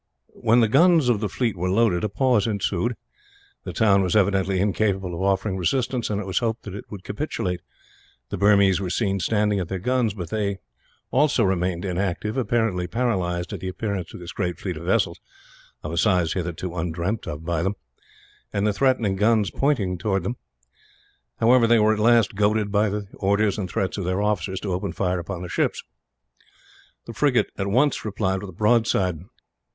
When the guns of the fleet were loaded, a pause ensued. The town was evidently incapable of offering resistance, and it was hoped that it would capitulate. The Burmese were seen standing at their guns, but they also remained inactive, apparently paralysed at the appearance of this great fleet of vessels of a size hitherto undreamt of by them and the threatening guns pointed towards them. However, they were at last goaded, by the orders and threats of their officers, to open fire upon the ships. The frigate at once replied with a broadside.